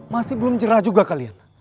masih belum jerah juga kalian